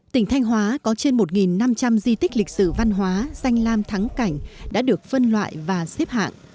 tỉnh thanh hóa có trên một năm trăm linh di tích lịch sử văn hóa danh lam thắng cảnh đã được phân loại và xếp hạng